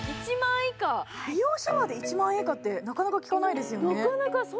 美容シャワーで１万円以下ってなかなかきかないですよね。